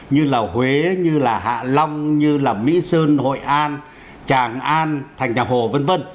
như là huế như là hạ long như là mỹ sơn hội an tràng an thành nhà hồ v v